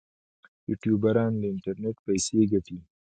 یوټیوبران له انټرنیټ پیسې ګټي